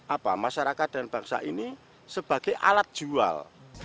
apa masyarakat dan bangsa ini sebagai alat jual